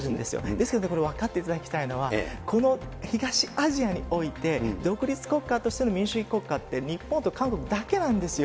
ですけれども、分かっていただきたいのは、この東アジアにおいて、独立国家としての民主主義国家って、日本と韓国だけなんですよ。